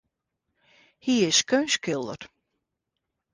Hy is keunstskilder.